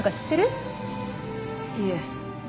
いえ。